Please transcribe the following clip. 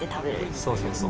そうそうそう。